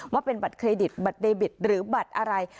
ว่าเป็นบัตรเครดิตบัตรเดบิตหรือบัตรอะไร